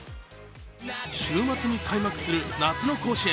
週末に開幕する夏の甲子園。